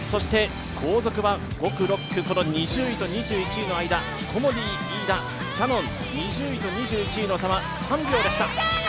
後続は５区、６区、２０位と２１位の間、コモディイイダとキヤノン、２０位と２１位の差は３秒でした。